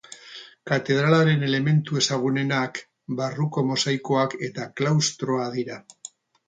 Katedralaren elementu ezagunenak barruko mosaikoak eta klaustroa dira.